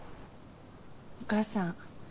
お義母さん